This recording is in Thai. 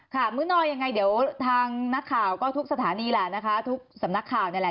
มื้อนอยังไงเดี๋ยวทางนักข่าวก็ทุกสถานีแหละนะคะทุกสำนักข่าวนี่แหละ